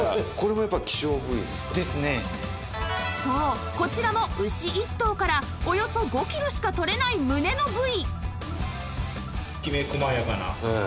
そうこちらも牛１頭からおよそ５キロしか取れない胸の部位